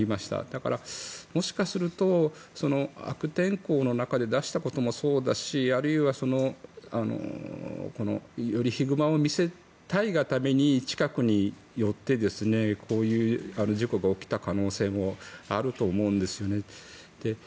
だから、もしかすると悪天候の中で出したこともそうだしあるいはよりヒグマを見せたいがために近くに寄ってこういう事故が起きた可能性もあると思うんですよね。